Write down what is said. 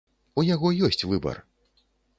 У яго ёсць выбар.